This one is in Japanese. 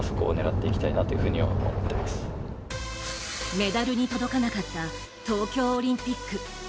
メダルに届かなかった東京オリンピック。